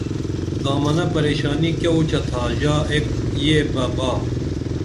دامَنہ پریشانی کیہ اُچھہ تھا ژا ایک یہ بہ با